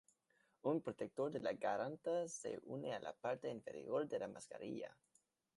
Un protector de la garganta se une a la parte inferior de la mascarilla.